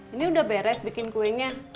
ini udah beres bikin kuenya